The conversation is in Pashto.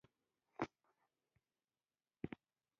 د احمد په خټه کې دروغ نشته، تل پاکه صفا خبره کوي.